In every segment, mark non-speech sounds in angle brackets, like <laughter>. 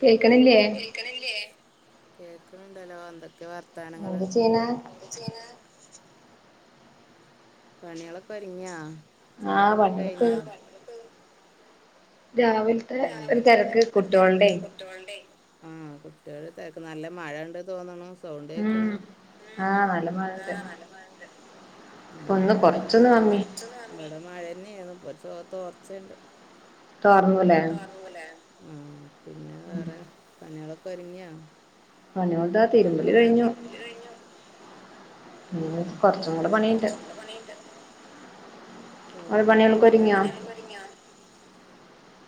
കേൾക്കണില്ലേ കേൾക്ക്ണില്ലേ കേക്കണണ്ടല്ലോ എന്തൊക്കെ വർത്താനങ്ങള് എന്ത് ചെയ്യണ എന്താ ചെയ്ണെ പണികളൊക്കെ ഒരിങ്ങിയോ ആഹ് ചായടിയൊക്കെ പണികളൊക്കെ കഴിഞ്ഞോ. രാവൽ രാവിലത്തെ ഒരു തിരക്ക് കുട്ടിയോൾടെ ആ കുട്ടികൾ തെരക്ക് നല്ല മഴ ഉണ്ട് തോന്നുണു. സൗണ്ട് ഉം കേക്ക്ന്ന് ആഹ് നല്ല <unintelligible> ആ മഴണ്ട് നല്ല മഴ ഇണ്ട് ഉം ഒന്ന് ഇവിടെ കൊറച്ചൊന്ന് മഴ കമ്മി കൊറച്ച് ഇവിടെ മഴ തന്നെയാരുന്നു <unintelligible> തോർച്ചണ്ട്. തോർന്നൂലേ. തോർന്നുലെ ഉം പിന്നെ ഉം വേറെ പണിയാളൊക്കെ ഒരുങ്ങിയോ. പണിയോണ്ട് പണിയോല് ദാ തിരുമ്പല് ല കഴിഞ്ഞു. ഇനി ഉം കൊറച്ചും കൂടെ ഇഞ് പണിയുണ്ട് കൊറച്ച് കൂടെ പണീണ്ട്. ഓരോ ചോറും പണികളൊക്കെ കൂട്ടാനൊക്കെ ആയോ? ഒരുങ്ങിയോ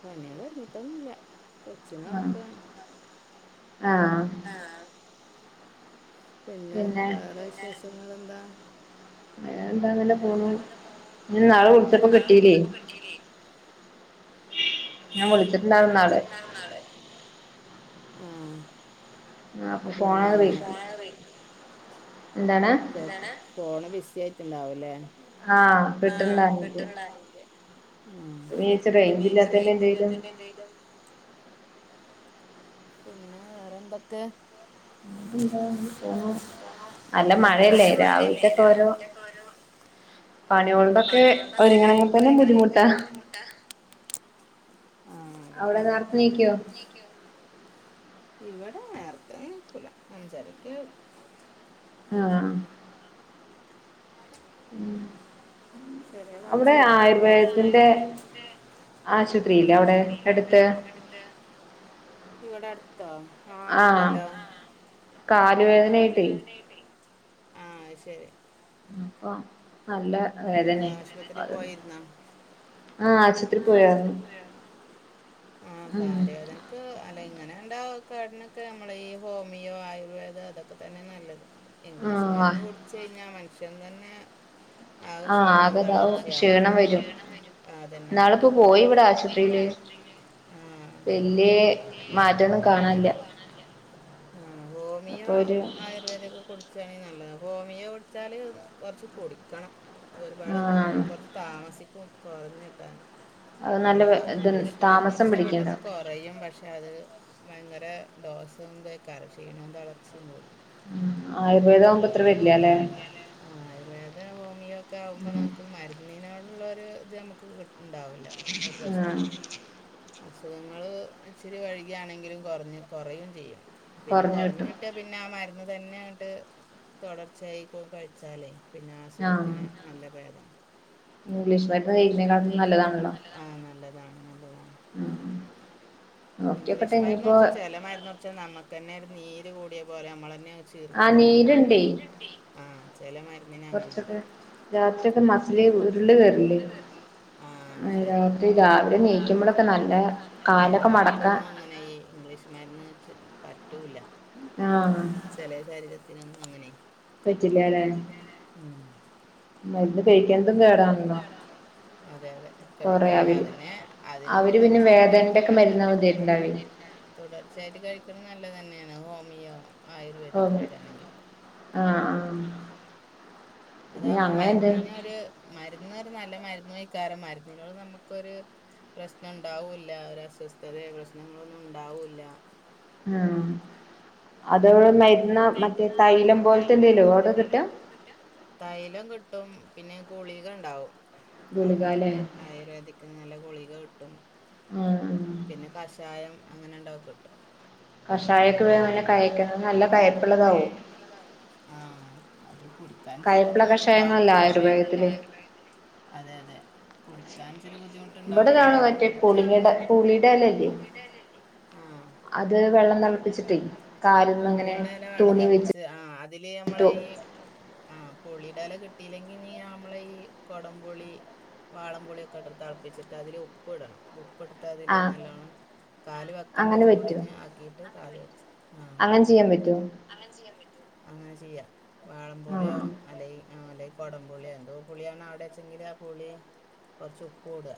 പണി ഒരുങ്ങിട്ടൊന്നുംല്ല കൊച്ചിനെ ആഹ് ഒറക്കാ ആഹ് ആഹ് പിന്നെ വേറെ വിശേഷങ്ങൾ എന്താ? അ എന്താങ്ങന്നെ പോണു ഇന്നാള് വിളിച്ചപ്പോ ഇന്നാള് കിട്ടീലേ. ഉം ശരി ഞാൻ വിളിച്ചിട്ടുണ്ടായിരുന്നു ഇന്നാള് വിളിച്ചിട്ടുണ്ടായിരുന്നു ന്നാള് ആഹ് ആഹ് അപ്പൊ പിന്നെ ഫോണ് <unintelligible> എന്താണ് എന്താണ്. ഫോൺ ബിസി ആയിട്ട്ണ്ടാവുലേ. ആ കിറ്റ്ണ്ടായിരുന്നില്ല <unintelligible> റെയ്ഞ്ച് റെയ്‌ഞ്ച് ഇല്ലാത്തതിന്റെ എന്തേലും പിന്നെ വേറെ എന്തൊക്കെ. <inaudible> ന്താ അങ്ങനെ പോണു. പോണു നല്ല മഴയല്ലേ നല്ല മഴയല്ലേ രാവിലത്തെക്കെ ഓരോ രാവിലത്തെ ഒക്കെ ഒരു പണികളുടൊക്കെ ഒരുങ്ങണങ്ങേ തന്നെ ബുദ്ധിമുട്ടാ. ട്ടാ. അവടെ നേരത്തെ നീക്കോ. നീക്കോ. ഇവിടെ നേരത്തെ നീക്കൂല അഞ്ചരക്ക് <unintelligible> <inaudible> <unintelligible> ചെറിയ അവിടെ മച്ചല്ലേ അപ്പൊ. ഒരു ആയുർവേദത്തിന്റെ ആശുപത്രില്ലേ അവിടെ എടുത്ത്. ഇവിടെ അടുത്താ ആ ഇണ്ടല്ലോ. കാലുവേദനയായിട്ടേ <unintelligible> ആ അഹ് ശരി. ഞ്ഞിപ്പം നല്ല എന്താ വേദനേ ആശുപത്രി പോയിരുന്നോ. ആ <unintelligible> അ ആശുപത്രി പോയോ. ആ ഉം കാലുവേദന ക്ക്‌ അല്ല ഇങ്ങനെ ഉണ്ടവുന്ന സുകേടിനൊക്കെ നമ്മൾ ഈ ഹോമിയോ ആയുർവേദ അതൊക്കെ തന്നെ നല്ലത്. ആഹ് ഇംഗ്ലീഷ്മര്ന്ന് കുട്ച്ച്ഴിഞ്ഞാൽ മനുഷ്യൻതന്നെ ആകെ ആഹ് ക്ഷീണോ ആകതാവും തളർച്ചയാകും. ക്ഷീണം <unintelligible> വരും ക്ഷീണം വരും. ആ അതന്നെ. ഇന്നാളിപ്പോ പോയി ന്നാൾപ്പോ ഇവിടെ പോയി ഇവിടെ ആശുപത്രിയില് ആശുപത്രിയിൽ <unintelligible> വല്യ വല്ല്യ മാറ്റൊന്നും കാണാനില്ല മാറ്റന്നും കാണാൻല്ലിയ. ആ ഹോമിയോ അപ്പൊ ഒരു ആയ <unintelligible> കുടിച്ചാണങ്കിൽ നല്ലത്. ഹോമിയോ കുടിച്ചാൽ കൊറച്ച് കുടിക്കണം. ഇത് ഒരുപാട് കാ ആഹ് കൊറച്ച് താമസിക്കും കൊറഞ്ഞി കിട്ടാൻ. അത് നല്ല പിന്നെ ഇത് താമസം ഇംഗ്ലീഷ്മര്ന്ന്ട്ച്ചാ പെട്ടെന്ന് പിടിക്കുണ്ടാവും കൊറ റയും പക്ഷെ അത്. ഭയങ്കര ഡോസും ഇതും എക്കാരം ക്ഷീണും തളർച്ചിം കൂടും. ആയുർവേദാവുബോ ഇത്ര വരില്യല്ലേ. ആയുർവേദ ഹോമിയോ ഒക്കെ ആകുമ്പോ നമുക്ക് മരുന്നിനോടുള്ള ഒരു ഇത് നമുക്ക് കി ഇണ്ടാവൂല ഒരു പ്രശ്നും. ആഹ് അസുഖങ്ങൾ ഇച്ചിരി വഴികിയാണെങ്കിലും കൊറഞ്ഞ് കൊറ യും ചെയ്യാം. പിന്നെ കൊറഞ്ഞ് കിട്ടും കോറഞ്ഞ് ട്ടിയ പിന്നെ ആ മരുന്ന് തന്നെട്ട് തുടർച്ചയായി കു കഴിച്ചാലേ പിന്നെ ആഹ് അസുഖത്തിന് നല്ല പേതാ ഇംഗ്ലീഷ് മര്ന്ന് കൈക്കിനട്ടിലും നല്ലതാണല്ലോ. <inaudible> ആ നല്ലതാണ് ഇംഗ്ലീഷ്മര്ന്ന് ഇനിയിപ്പോ കുട്ച്ചാ ചെലമര്ന്നുട്ച്ചാൽ നമ്മക്കന്നെ ഒരു നീര് കൂടിയ പോലെ നമ്മളെന്നെ ചീർത്ത ആഹ് പോലെയക്കെ അഹ് നീരുണ്ടേ നീര്ണ്ട് ആഹ് ചില മരുന്നിന് അങ്ങനെണ്ട്. കൊറച്ചൊക്കെ രാത്രിയൊക്കെ മസില് രാത്രിയൊക്ക മസിൽ ഉരുണ്ട് ഉര്ണ്ട് കേറില്ലേ <unintelligible> ആ ശരി രാത്രി രാവിലെ ണീകുമ്പളൊക്കെ നല്ല വേദന. പിന്നെ കാലൊക്കെ മടക്കാൻ എല്ലാർക്കുന്നും അങ്ങനെ ഇംഗ്ലീഷ്മര്ന്ന് ച്ച് പറ്റുല്ല. ആഹ് ചെല ശരീരത്തിനൊന്നും അങ്ങനെ പറ്റില്ലല്ലേ പറ്റില്ലല്ലേ ഉം. മരുന്ന് മര്ന്ന് കഴിക്കണതും കഴിക്ക്ണതും കേടാണല്ലോ കേടാണല്ലോ അതെ അതെ കഴിക്കാൻ കൊറയാവില്ല അതന്നെ. അതിന് അവര് പിന്നെ തുടർച്ചയായി വേദനന്റെ കഴിക്ക്ണ് ഒക്കെ നല്ലതാ. മരുന്നാവും തരുണ്ടാവേ <unintelligible> തുടർച്ചയായിട്ട് കഴിക്ക്ണ് നല്ലതെന്നെണ് ഹോമിയോ ഹോമിയോ ആയുർവേദിക്കൊക്കെയാണെങ്കിൽ ആഹ് ആഹ് പിന്നെ അതാവുമ്പോ അങ്ങനെ എന്ത മരുന്നിന് ഒരു മരുന്ന് ഒരു നല്ല മരുന്നയിക്കാരം മരുന്നിനോട് നമ്മക്കൊരു പ്രശ്നം ഉണ്ടാവുല്ല ഒരു അസ്വസ്ഥതയെ പ്രശ്നങ്ങളൊന്നും ഉണ്ടാവുല്ല ആഹ് അങ്ങനെ അതവടെ മര്ന്ന മറ്റേ തൈലം പോലത്തെ എന്തേലോ ഔടെകിട്ടാ കിട്ടാ തൈലം കിട്ടും പിന്നെ ഗുളിക ഇണ്ടാവും അവിട്ന്ന് ഗുളികാല്ലേ ആയുർവേദിക്കിന് നല്ല ഗുളിക കിട്ടും ഉം പിന്നെ കഷായം അങ്ങനെ <unintelligible> കിട്ടും കഷായക്കെ വേ ഹോം അങ്ങനെ കഴിക്കണ നല്ല കയ്പ്പുള്ളതാവും പ്പുള്ളതാവും ആഹ് അത് കുടി ക്കാൻ ഇച്ചിരി കയപ്പുള്ള ബുദ്ധിമുട്ടുണ്ടാവും കഷായങ്ങളല്ല ഇന്നാലും ആയുർവേദത്തില് അതെ അതെ കുടിക്കാൻ ഇച്ചിരി ഇവിടെ ബുദ്ധിമുട്ടുണ്ടാവും കാണും എന്നാലും മറ്റേ കുടിച്ചന്നെ പുളിങ്ങയുടെ നല്ലത് വടെ പുളിയുടെ ഇലയില്ലേ പുളിടെ എലർജി ആഹ് അത് വെള്ളം അത് തിളപ്പിച്ചിട്ടേ വെള്ളം തളപ്പിച്ചിട്ടെ കാലിന്മേ ഇങ്ങനെ പുളിടെ എല തുണി വെള്ളംതളപ്പിച്ച് വെച്ചിട്ട് ആഹ് അതില് നമ്മള് ഇ ട്ടു ആഹ് പുളിടെഎല കിട്ടിയില്ലെങ്കിനി നമ്മളെ ഈ കൊടംപുളി വാളം പുളിയൊക്കെട്ട് തെളപ്പിച്ചിട്ട് അയില് ഉപ്പ് ഇടണം ഉപ്പിട്ടിട്ട് അതില് ആഹ് നല്ലോണം കാല് വെക്കണ്ട അങ്ങനെ ചൂടിന് ആക്കിട്ട് കാല് വച്ച് ആഹ് അങ്ങൻചെയ്യാ പറ്റോ അങ്ങൻചെയ്യാ പറ്റോ അങ്ങനെ ചെയ്യാ വാളം പുളിയോ ആഹ് അലയി അല്ലെയി കുടംപുളി എന്തോ പുളിയാണ് അവിടെച്ചെങ്കില് ആ പുളി കൊറച്ച് ഉപ്പു ഇടാ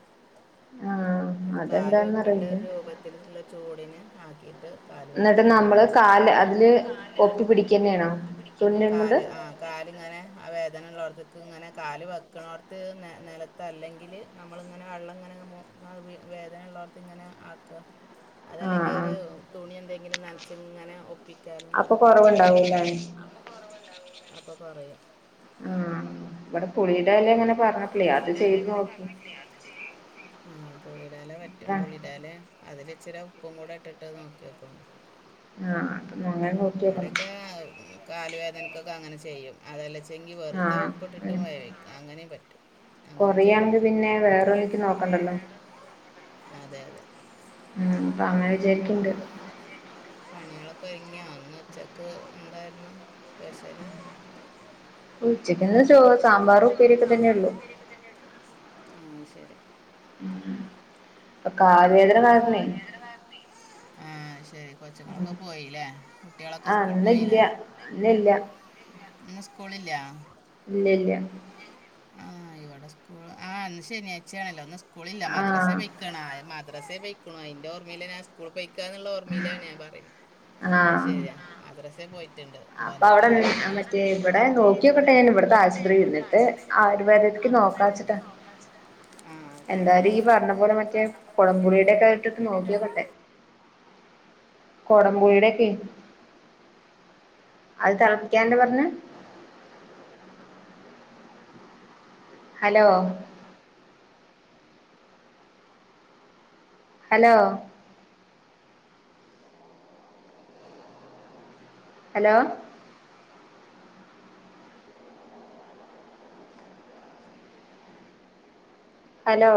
ആഹ് ന്നിട്ട് കാല് വെക്കണ്ട അതെന്താന്നറിയില്ല രൂപത്തിലുള്ള ചൂട്ന് ആക്കിട്ട് കാല് എന്നിട്ട് വെക്ക നമ്മള് നല്ലതാ കാല് ഇന്നിട്ട് അതില് നമ്മള് കാല് ഒപ്പി അതില് പിടിക്കന്നെയാണോ പൊക്കി പിടിക്കെന്നെണോ തുന്നലും കൊണ്ട് കാല് ആഹ് കാല്ങ്ങനെ ആ വേദന ഉള്ളോട്ത്ത്ക്ക് ഇങ്ങനെ കാല് വെക്കണോട്ത്ത് നെലത്ത് അല്ലെങ്കില് നമ്മളിങ്ങനെ വെള്ളം ഇങ്ങനെ ആ വേദന ഉള്ളോട്ത്ത് ഇങ്ങനെ ആക്കാ ആഹ് അതല്ലെങ്കി ഒരു ആഹ് തുണി എന്തെങ്കിലും നനച്ച് ഇങ്ങനെ ഒ അപ്പൊ കൊറവുണ്ടാവും ഇല്ലേ അപ്പൊ കൊറവുണ്ടാവുലെ അപ്പൊ കൊറയും ആഹ് ഇവിടെ പുളിന്റെ വെല എങ്ങനെയാ ഇവിടെ പുളിടെ വെല അങ്ങനെ പറഞ്ഞപ്പളെ അത് ചെയ്ത് നോക്കിട്ട് ആ പുളിടെ വെല പറ്റും ആഹ് പുളിടെ വെല - അതില് ഇച്ചിരെ ഉപ്പും കൂടെ ഇട്ടിട്ട് നോക്കിക്കോ <unintelligible> ണ്ടു ആഹ് ഇവിടെക്കെ കാല് വേദനക്കൊക്കെ അങ്ങനെ ചെയ്യും അതല്ല വെച്ചെങ്കി വെറുതെ ആഹ് ഉപ്പിട്ടിട്ടും ഉം വേവിക്കും അങ്ങനെയേം പറ്റും അങ്ങനും ചെയ്യണ കൊറയാണെങ്കി പിന്നെ വേറൊന്നിക്ക് നോക്കണ്ടല്ലോ <unintelligible> അതെ അതെ ഉം അപ്പൊ അങ്ങനെ വിചാരിക്കണ്ട് പണികളൊക്കെ കഴിഞ്ഞോ ഇന്ന് ഉച്ചക്ക് എന്തായിരുന്നു സ്പെഷ്യല് ഉച്ചക്ക് ഇന്ന് ചോറ് സാമ്പാർ ഉപ്പേരിയൊക്കെ തന്നെയുള്ളു തന്നേ ഉള്ളു ആഹ് ശരി <unintelligible> <unintelligible> <unintelligible> ആഹ് ശരി കൊച്ചുങ്ങളൊക്കെ പോയി ഇല്ലേ കുട്ടികളൊക്കെ ആ സ്കൂൾ ഇന്നില്ല പോയില്ലേ ഇന്ന് ഇല്ലിയ ഇന്നില്ല ഇന്ന് ഇല്ല ഇന്ന് സ്കൂളില്ല ഇല്ലിയ ഇല്ലിയ ആഹ് ഇവിടെ സ്കൂൾ ആഹ് ഇന്ന് ശനിയാച്ചയാണല്ലോ ഇന്ന് സ്കൂളില്ല മദ്രാസെ ആഹ് വെയ്ക്ക്ണ മദ്രസെ വെക്കണു അതിന്റെ ഓർമ്മയിലാ - സ്കൂൾ പൊക്കാന്നുള്ള ഓർമ്മയിലാണ് ഞാൻ പറയുന്നത് അത് ശരിയാ മദ്രസെ പോയിട്ടുണ്ട് അപ്പ അവിടെ വന്നിട്ടില്ല അപ്പൊ മറ്റേ ഇവിടെ നോക്കി <unintelligible> ക്കട്ടെ ഞാൻ ഇവിടുത്തെ ആശുപത്രിയി ഇവിടുത്തെ ഇന്നിട്ട് ആശുപത്രി <unintelligible> ആരും നോക്കാച്ചിട്ടാ ആഹ് ശരി എന്തായാലും ഈ പറഞ്ഞ പോലെ മറ്റേ- കുടംപുടിയുടെ ഒക്കെയിട്ട് ഏതായാലും നോക്കിയോക്കട്ടെ കോടംമ്പുഴടെക്കെ അത് തിളിക്കാണ്ട പറഞ്ഞ ഹലോ ഹലോ ഹലോ ഹലോ